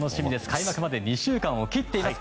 開幕まで２週間を切っています。